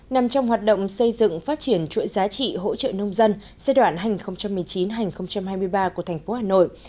nằm trong hoạt động xây dựng phát triển chuỗi giá trị hỗ trợ nông dân giai đoạn hai nghìn một mươi chín hai nghìn hai mươi ba của thành phố hà nội